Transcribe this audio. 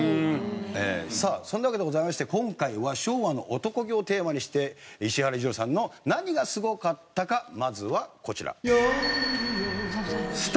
さあそんなわけでございまして今回は昭和の男気をテーマにして石原裕次郎さんの何がすごかったかまずはこちら。